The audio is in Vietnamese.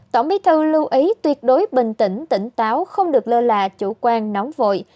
tổng bí thư lưu ý tuyệt đối bình tĩnh tỉnh táo không được lơ là chủ quan nóng vội